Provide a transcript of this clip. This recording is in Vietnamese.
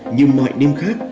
như mọi đêm khác